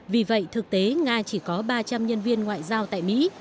vì vậy thực tế nga chỉ có ba trăm linh nhân viên ngoại giao tại mỹ